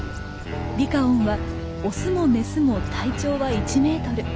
リカオンはオスもメスも体長は１メートル。